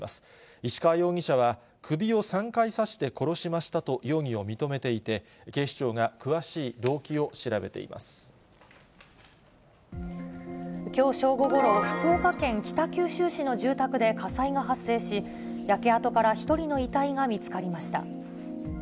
石川容疑者は、首を３回刺して殺しましたと容疑を認めていて、警視庁が詳しい動きょう正午ごろ、福岡県北九州市の住宅で火災が発生し、焼け跡から１人の遺体が見つかりました。